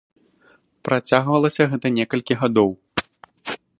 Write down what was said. Працягвалася гэта некалькі гадоў.